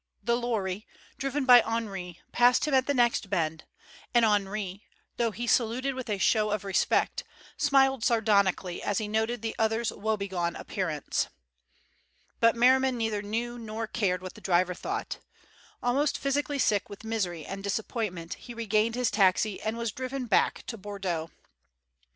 The lorry, driven by Henri, passed him at the next bend, and Henri, though he saluted with a show of respect, smiled sardonically as he noted the other's woebegone appearance. But Merriman neither knew nor cared what the driver thought. Almost physically sick with misery and disappointment, he regained his taxi and was driven back to Bordeaux.